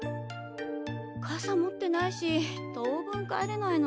かさ持ってないし当分帰れないな。